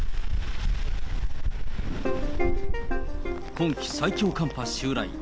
今季最強寒波襲来。